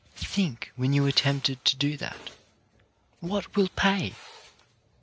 Think, when you are tempted to do that: "Will it pay?"